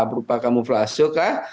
berupa kamuflase kah